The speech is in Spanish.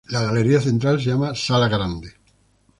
La galería central se llama Sala Grande.